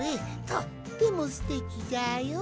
とってもすてきじゃよ！